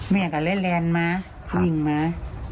แม่ก็เรียนแลนด์มาขึ้นวิ่งมา